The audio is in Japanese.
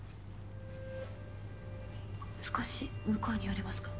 少し向こうに寄れますか？